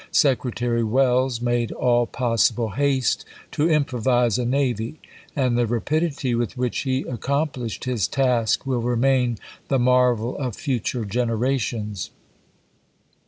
Secretary'' Welles made all possible haste to improvise a navy, and the rapidity with which he accom plished his task will remain the marvel of future generations.